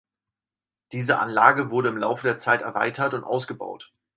Diese Anlage wurde im Laufe der Zeit erweitert und ausgebaut.